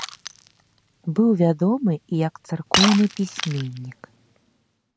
Быў вядомы і як царкоўны пісьменнік.